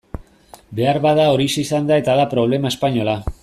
Beharbada horixe izan da eta da problema espainola.